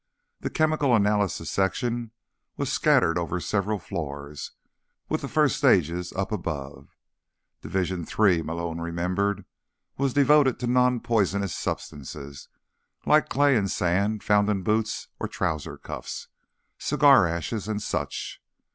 The Chemical Analysis Section was scattered over several floors, with the first stages up above. Division III, Malone remembered, was devoted to nonpoisonous substances, like clay or sand found in boots or trouser cuffs, cigar ashes and such.